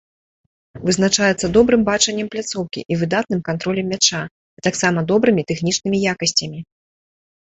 Вызначаецца добрым бачаннем пляцоўкі і выдатным кантролем мяча, а таксама добрымі тэхнічнымі якасцямі.